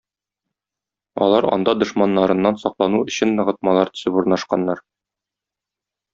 Алар анда дошманнарыннан саклану өчен ныгытмалар төзеп урнашканнар.